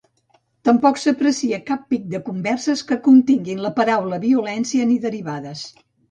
Tampoc s’aprecia cap pic de converses que continguin la paraula violència ni derivades.